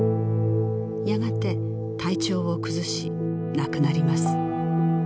やがて体調を崩し亡くなります